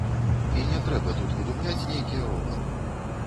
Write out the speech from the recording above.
І не трэба тут выдумляць нейкія ровары.